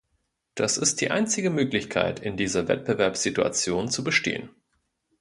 Das ist die einzige Möglichkeit, in dieser Wettbewerbssituation zu bestehen.